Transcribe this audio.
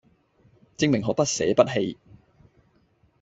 證明可不捨不棄